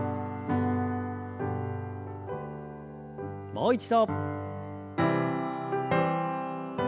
もう一度。